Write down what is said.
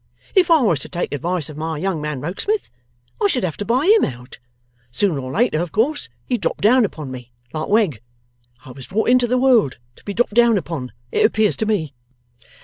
If I was to take advice of my young man, Rokesmith, I should have to buy HIM out. Sooner or later, of course, he'd drop down upon me, like Wegg. I was brought into the world to be dropped down upon, it appears to me.